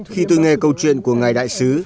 khi tôi nghe câu chuyện của ngài đại sứ